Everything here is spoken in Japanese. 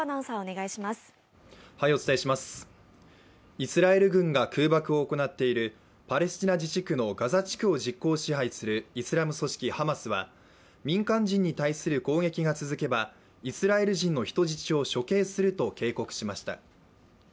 イスラエル軍が空爆を行っているパレスチナ自治区ガザ地区を実効支配するイスラム組織ハマスは民間人に対する攻撃が続けばイスラエル人の人質を処刑すると警告しました。